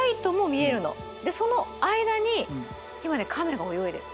でその間に今ね亀が泳いでる。